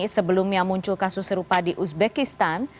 sebelumnya muncul kasus serupa di uzbekistan